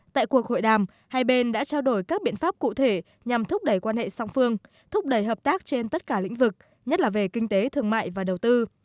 tại cuộc hội đàm hai bên đã trao đổi các biện pháp cụ thể nhằm thúc đẩy quan hệ song phương thúc đẩy hợp tác trên tất cả lĩnh vực nhất là về kinh tế thương mại và đầu tư